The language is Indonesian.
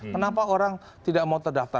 kenapa orang tidak mau terdaftar